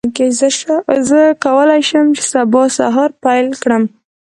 زه کولی شم چې سبا سهار پیل کړم.